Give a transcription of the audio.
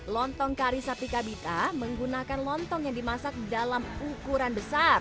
lontong kari sapi kabita menggunakan lontong yang dimasak dalam ukuran besar